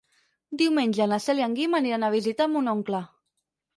Diumenge na Cel i en Guim aniran a visitar mon oncle.